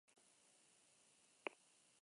Ardiak jaitsi dira menditik baserrira, elikatzeko.